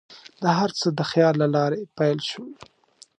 دا هر څه د خیال له لارې پیل شول.